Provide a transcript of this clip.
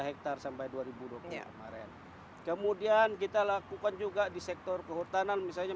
hektare sampai dua ribu dua puluh kemarin kemudian kita lakukan juga di sektor kehutanan misalnya